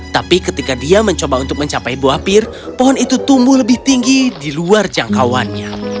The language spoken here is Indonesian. tapi ketika dia mencoba untuk mencapai buah pir pohon itu tumbuh lebih tinggi di luar jangkauannya